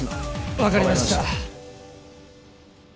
分かりました。